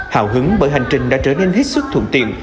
hào hứng bởi hành trình đã trở nên hết sức thuận tiện